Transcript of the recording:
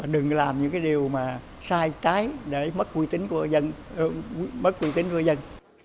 đừng làm những cái điều mà sai trái để mất quy tính của dân